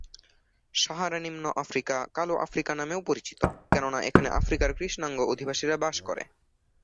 সাহারা-নিম্ন Africa "কালো Africa" নামেও পরিচিত, কেননা এখানে আফ্রিকার কৃষ্ণাঙ্গ অধিবাসীরা বাস করে।